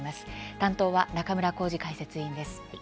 担当は中村幸司解説委員です。